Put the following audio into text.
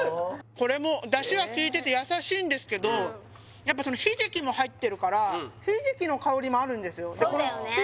これも出汁がきいてて優しいんですけどやっぱそのひじきも入ってるからひじきの香りもあるんですよ